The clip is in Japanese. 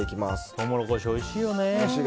トウモロコシ、おいしいよね。